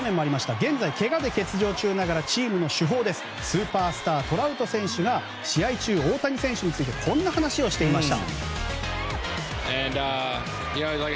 現在けがで欠場ながらチームのスーパースター、トラウト選手が試合中、大谷選手についてこんな話をしていました。